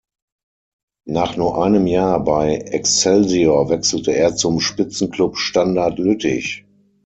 Nach nur einem Jahr bei Excelsior wechselte er zum Spitzenklub Standard Lüttich.